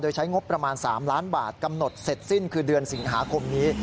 โดยใช้งบประมาณ๓ล้านบาทกำหนดเสร็จสิ้นคือเดือนสิงหาคมนี้